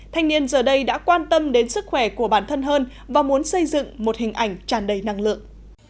thanh niên giờ đây đã quan tâm đến sức khỏe của bản thân hơn và muốn xây dựng một hình ảnh tràn đầy năng lượng